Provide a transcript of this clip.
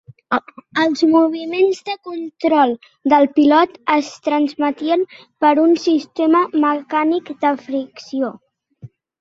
Els moviments de control del pilot es transmetien per un sistema mecànic de fricció.